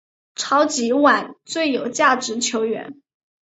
超级碗最有价值球员。